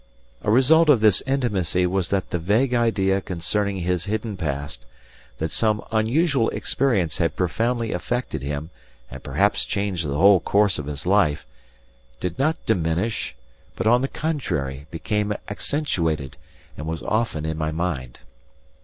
A result of this intimacy was that the vague idea concerning his hidden past, that some unusual experience had profoundly affected him and perhaps changed the whole course of his life, did not diminish, but, on the contrary, became accentuated, and was often in my mind.